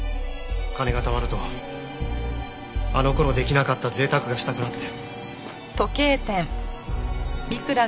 金がたまるとあの頃できなかった贅沢がしたくなって。